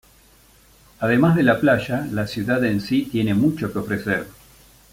Además de la playa, la ciudad en sí tiene mucho que ofrecer.